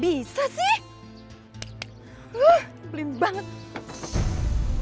bersama pihak mahasiswa